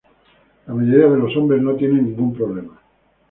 La mayoría de los hombres no tienen ningún problema.